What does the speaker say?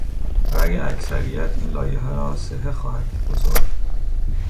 رای اکثریت این لایحه را صحه خواهد گذارد.